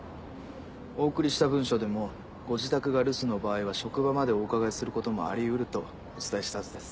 お送りした文書でもご自宅が留守の場合は職場までお伺いすることもあり得るとお伝えしたはずです。